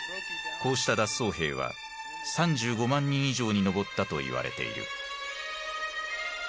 こうした脱走兵は３５万人以上に上ったといわれている。